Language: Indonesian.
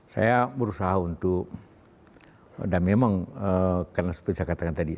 saya berusaha untuk dan memang karena seperti saya katakan tadi